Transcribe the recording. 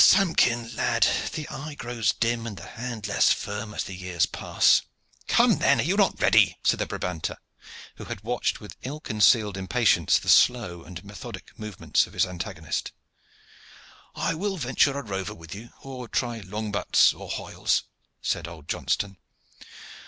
Ah! Samkin, lad, the eye grows dim and the hand less firm as the years pass." "Come then, are you not ready?" said the Brabanter, who had watched with ill concealed impatience the slow and methodic movements of his antagonist. "I will venture a rover with you, or try long butts or hoyles," said old Johnston.